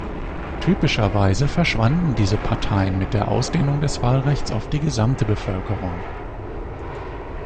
Typischerweise verschwanden diese Parteien mit der Ausdehnung des Wahlrechts auf die gesamte Bevölkerung.